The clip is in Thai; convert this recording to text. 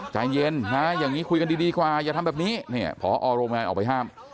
ใจเย็นนะอย่างนี้คุยกันดีกว่าอย่าทำแบบนี้เนี่ยพอโรงงานออกไปห้าม